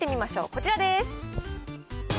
こちらです。